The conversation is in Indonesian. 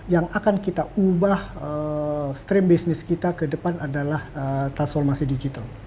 yang akan kita ubah stream business kita ke depan adalah transformasi digital